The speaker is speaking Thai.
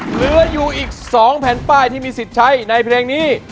เหลืออยู่อีก๒แผ่นป้ายที่มีสิทธิ์ใช้ในเพลงนี้